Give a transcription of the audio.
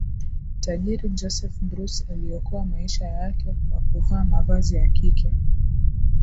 tajiri joseph bruce aliokoa maisha yake kwa kuvaa mavazi ya kike